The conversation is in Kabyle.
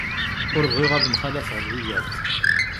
Ur bɣiɣ ad mxalafeɣ ɣef wiyaḍ.